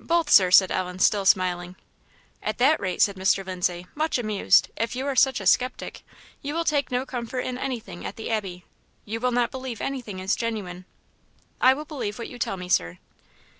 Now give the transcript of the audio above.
"Both, Sir," said Ellen, still smiling. "At that rate," said Mr. Lindsay, much amused, "if you are such a sceptic, you will take no comfort in anything at the Abbey; you will not believe anything is genuine." "I will believe what you tell me, Sir."